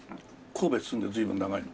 神戸住んで随分長いの？